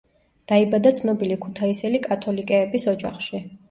დაიბადა ცნობილი ქუთაისელი კათოლიკეების ოჯახში.